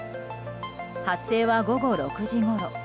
発生は午後６時ごろ。